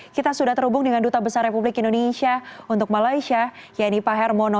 kita sudah terhubung dengan duta besar republik indonesia untuk malaysia yanni pak hermono